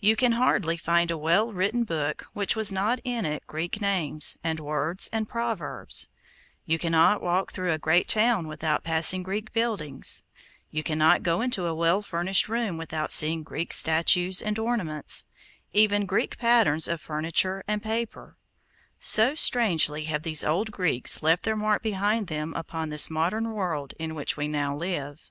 You can hardly find a well written book which has not in it Greek names, and words, and proverbs; you cannot walk through a great town without passing Greek buildings; you cannot go into a well furnished room without seeing Greek statues and ornaments, even Greek patterns of furniture and paper; so strangely have these old Greeks left their mark behind them upon this modern world in which we now live.